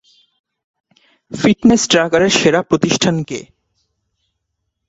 Fitness ট্র্যাকারে সেরা প্রতিষ্ঠান কে?